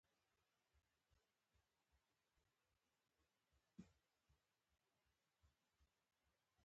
د واورې یو لوی طوفان راالوتی وو.